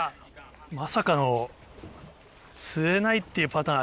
まさかの釣れないっていうパうーん。